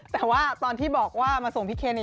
แต่ว่าตอนที่บอกว่ามาส่งพี่เคเน